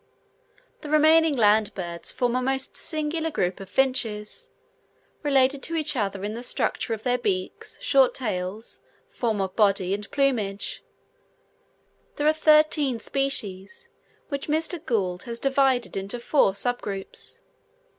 The remaining land birds form a most singular group of finches, related to each other in the structure of their beaks, short tails, form of body and plumage: there are thirteen species, which Mr. Gould has divided into four sub groups.